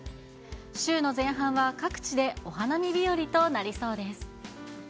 週の前半は各地でお花見日和となりそうです。